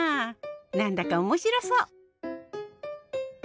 何だか面白そう。